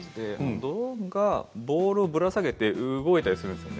ドローンがボールをぶら下げて動いたりするんです。